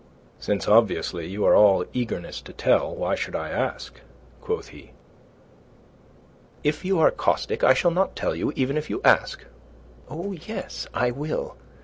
"Since obviously you are all eagerness to tell, why should I ask?" quoth he. "If you are caustic I shall not tell you even if you ask. Oh, yes, I will.